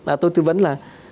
à tôi tư vấn là